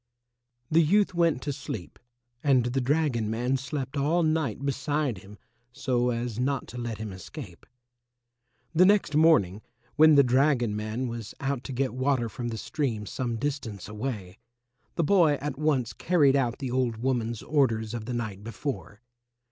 The youth went to sleep, and the dragon man slept all night beside him so as not to let him escape. The next morning, when the dragon man was out to get water from the stream some distance away, the boy at once carried out the old woman's orders of the night before.